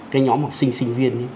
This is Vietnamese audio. cái nhóm học sinh sinh viên